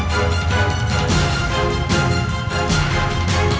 jangan lagi membuat onar di sini